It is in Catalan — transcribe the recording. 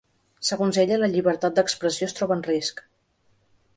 Segons ella, la llibertat d’expressió es troba en risc.